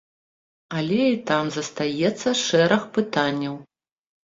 Але і там застаецца шэраг пытанняў.